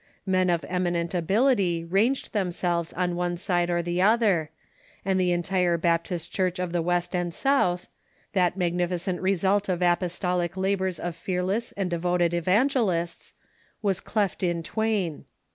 Men of eminent ability ranged themselves on one side or the other, and the entire Baptist Church of the West and South — that magnificent result of apostolic labors of fear less and devoted evangelists — was cleft in twain.